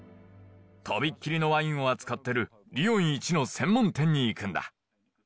飛びっきりのワインを扱っているリヨン１の専門店に行くんだ。